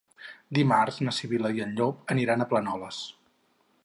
Dimarts na Sibil·la i en Llop aniran a Planoles.